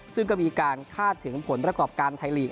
ซึ่งก็มีการคาดถึงผลประกอบการไทยลีก